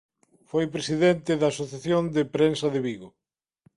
Foi presidente da Asociación da Prensa de Vigo